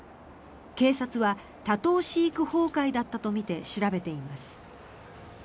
警察は多頭飼育崩壊だったとみて調べています。